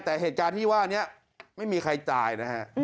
แต่เหตุการณ์ที่ว่านี้ไม่มีใครตายนะฮะ